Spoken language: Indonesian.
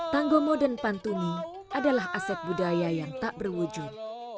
tanggomo dan pantuni adalah aset budaya yang tak berwujud